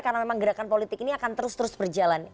karena memang gerakan politik ini akan terus terus berjalan